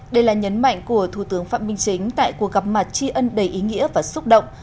đây là nhấn mạnh của thủ tướng phạm minh chính tại cuộc gặp mặt tri ân đầy ý nghĩa và xúc động